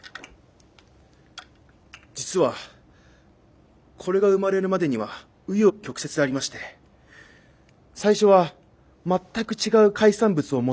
実はこれが生まれるまでには紆余曲折ありまして最初は全く違う海産物をモチーフとして考えていたんです。